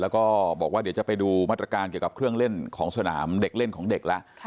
แล้วก็บอกว่าเดี๋ยวจะไปดูมาตรการเกี่ยวกับเครื่องเล่นของสนามเด็กเล่นของเด็กแล้ว